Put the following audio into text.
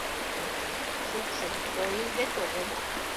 Шокшо — поездет огыл.